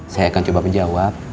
saya akan coba menjawab